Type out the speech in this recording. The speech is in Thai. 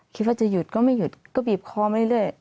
คิดว่าจะหยุดก็ไม่หยุดก็บีบคอมาเรื่อย